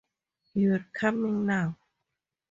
You're coming now.